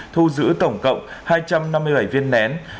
thu giữ tổng cộng hai trăm năm mươi bảy viên nén